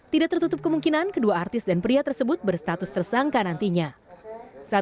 tidak tertutup kemungkinan kedua artis dan pria tersebut berstatus tersangka nantinya saat